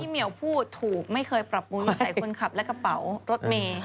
พี่เมียวพูดถูกไม่เคยปรับภูมิใส่คุณขับและกระเป๋ารถเมศ์